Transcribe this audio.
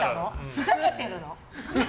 ふざけてるの？